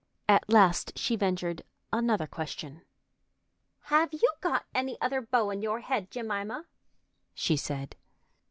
At last she ventured another question. "Have you got any other beau in your head, Jemima?" she said.